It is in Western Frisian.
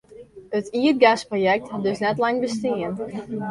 It ierdgasprojekt hat dus net lang bestien.